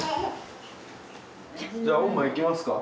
じゃあオンマいきますか。